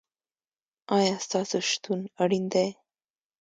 ایا ستاسو شتون اړین دی؟